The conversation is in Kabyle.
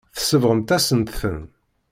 Tsebɣemt-asent-ten.